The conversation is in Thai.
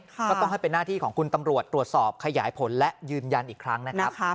ก็ต้องให้เป็นหน้าที่ของคุณตำรวจตรวจสอบขยายผลและยืนยันอีกครั้งนะครับ